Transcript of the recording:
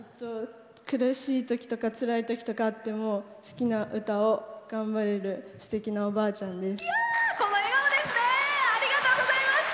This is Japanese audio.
苦しいときとかつらいときとかあっても好きな歌を頑張れるすてきなおばあちゃんです。